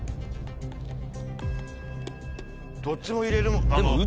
どっちも入れる。